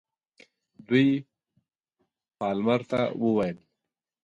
دوی پالمر ته وویل.